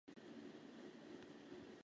赡养老人